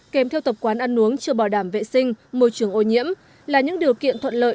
kèm theo tập quán ăn uống chưa bảo đảm vệ sinh môi trường ô nhiễm là những điều kiện thuận lợi